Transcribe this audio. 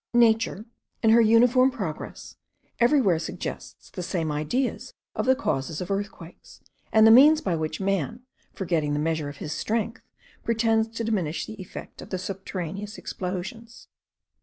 Nature, in her uniform progress, everywhere suggests the same ideas of the causes of earthquakes, and the means by which man, forgetting the measure of his strength, pretends to diminish the effect of the subterraneous explosions.